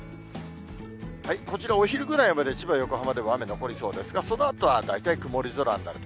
こちら、お昼ぐらいまで、千葉、横浜では雨残りそうですが、そのあとは大体曇り空になると。